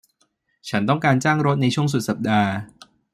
ฉันต้องการจ้างรถในช่วงสุดสัปดาห์